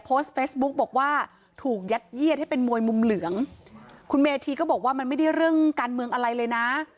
โพสต์เฟซบุ๊กบอกว่าถูกยัดเยียดให้เป็นมวยมุมเหลืองคุณเมธีก็บอกว่ามันไม่ได้เรื่องการเมืองอะไรเลยนะ